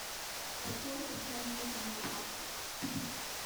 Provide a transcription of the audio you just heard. A choice of transmissions were offered.